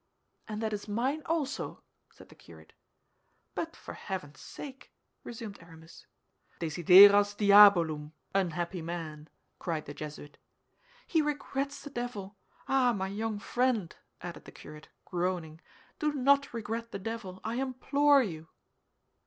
"And that is mine also," said the curate. "But, for heaven's sake—" resumed Aramis. "Desideras diabolum, unhappy man!" cried the Jesuit. "He regrets the devil! Ah, my young friend," added the curate, groaning, "do not regret the devil, I implore you!"